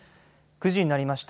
９時になりました。